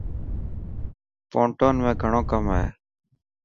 پونٽون ۾ گهڻو ڪم هي.